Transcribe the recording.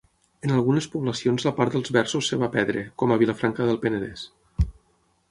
En algunes poblacions la part dels versos es va perdre, com a Vilafranca del Penedès.